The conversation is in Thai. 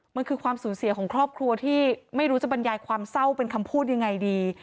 มันคือความสูญเสียของครอบครัวที่ไม่รู้จะบรรยายความเศร้าเป็นคำพูดยังไงดี